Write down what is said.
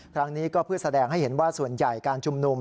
ครั้งนี้ก็เพื่อแสดงให้เห็นว่าส่วนใหญ่การชุมนุม